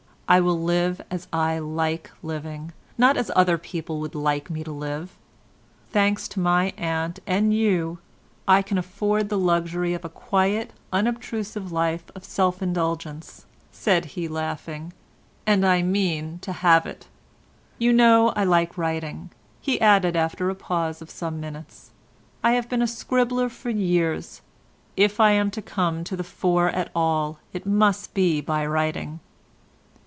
I will live as I like living, not as other people would like me to live; thanks to my aunt and you I can afford the luxury of a quiet unobtrusive life of self indulgence," said he laughing, "and I mean to have it. You know I like writing," he added after a pause of some minutes, "I have been a scribbler for years. If I am to come to the fore at all it must be by writing."